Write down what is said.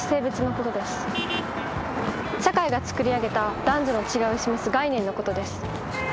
社会が作り上げた男女の違いを示す概念のことです。